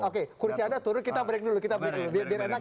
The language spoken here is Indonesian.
oke kursi anda turun kita break dulu biar enak kita break dulu